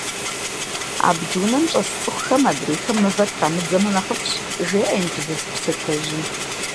Абдж унэм щӏэс цӏыхухэм адрейхэм мывэ трамыдзэмэ нэхъыфӏщ, жеӏэр инджылыз псалъэжьым.